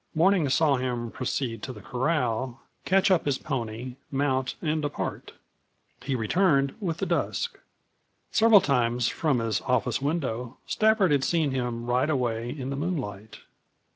Mornings saw him proceed to the corral, catch up his pony, mount, and depart. He returned with the dusk. Several times, from his office window, Stafford had seen him ride away in the moonlight.